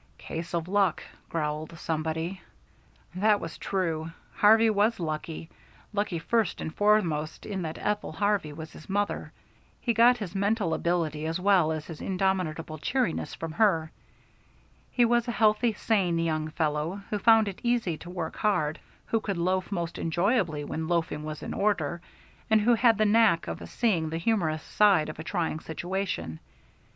"Case of luck," growled somebody. That was true. Harvey was lucky; lucky first and foremost in that Ethel Harvey was his mother. He got his mental agility as well as his indomitable cheeriness from her. He was a healthy, sane young fellow who found it easy to work hard, who could loaf most enjoyably when loafing was in order, and who had the knack of seeing the humorous side of a trying situation.